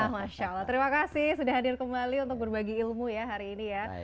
masya allah terima kasih sudah hadir kembali untuk berbagi ilmu ya hari ini ya